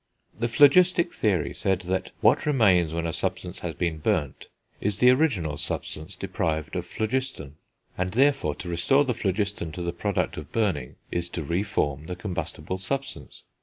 The phlogistic theory said that what remains when a substance has been burnt is the original substance deprived of phlogiston; and, therefore, to restore the phlogiston to the product of burning is to re form the combustible substance.